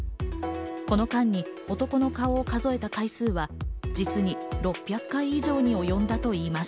この間に男の顔を数えた回数は実に６００回以上におよんだといいます。